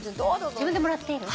自分でもらっていいの？